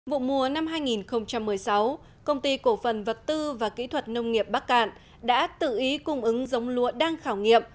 vụ mùa năm hai nghìn một mươi sáu công ty cổ phần vật tư và kỹ thuật nông nghiệp bắc cạn đã tự ý cung ứng giống lúa đang khảo nghiệm